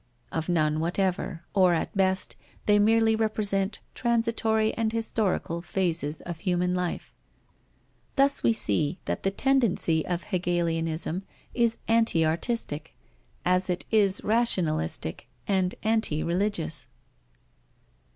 Of none whatever, or at best, they merely represent transitory and historical phases of human life. Thus we see that the tendency of Hegelianism is anti artistic, as it is rationalistic and anti religious.